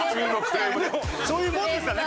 でもそういうもんですからね。